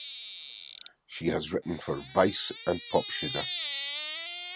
She has written for "Vice" and "Popsugar".